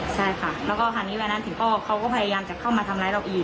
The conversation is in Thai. ใช่ค่ะแล้วก็คราวนี้เวลานั้นถึงพ่อเขาก็พยายามจะเข้ามาทำร้ายเราอีก